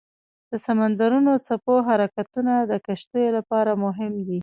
د سمندرونو څپو حرکتونه د کشتیو لپاره مهم دي.